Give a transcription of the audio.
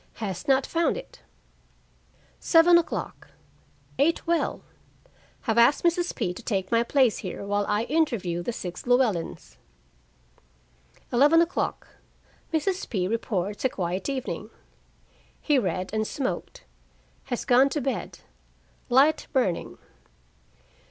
Has not found it. 7:00 Ate well. Have asked Mrs. P. to take my place here, while I interview the six Llewellyns. 11:00 Mrs. P. reports a quiet evening. He read and smoked. Has gone to bed. Light burning.